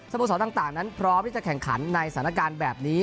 โมสรต่างนั้นพร้อมที่จะแข่งขันในสถานการณ์แบบนี้